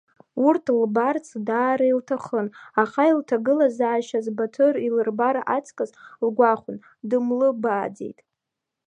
Урҭ лбарц даара илҭахын, аха илҭагылазаашьаз Баҭыр илырбар аҵкыс лгәахәын, дымлыбааӡеит.